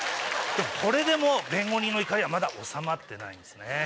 これでも弁護人の怒りはまだ収まってないんですね。